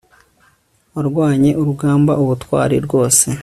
warwanye urugamba ubutwari rwose